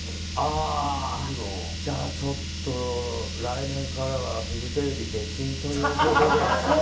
じゃあちょっと、来年からはフジテレビ出禁ということで。